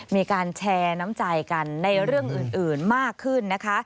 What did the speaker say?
มีการแชร์น้ำใจกันในเรื่องอื่นมากขึ้นนะคะ